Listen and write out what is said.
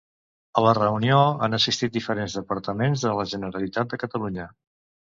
A la reunió han assistit diferents departaments de la Generalitat de Catalunya.